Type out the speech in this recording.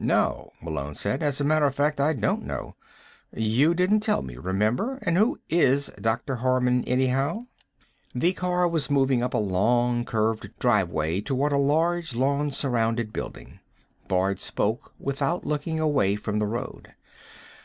"No," Malone said. "As a matter of fact, I don't know. You didn't tell me remember? And who is Dr. Harman, anyhow?" The car was moving up a long, curving driveway toward a large, lawn surrounded building. Boyd spoke without looking away from the road.